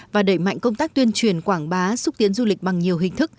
và đẩy mạnh công tác tuyên truyền quảng bá xúc tiến du lịch bằng nhiều hình thức